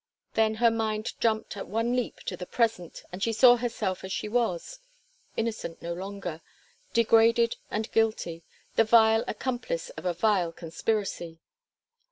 Then her mind jumped at one leap to the present, and she saw herself as she was innocent no longer, degraded and guilty, the vile accomplice of a vile conspiracy.